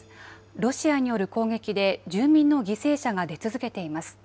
ロシアによる攻撃で住民の犠牲者が出続けています。